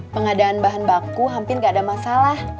pengadaan bahan baku hampir nggak ada masalah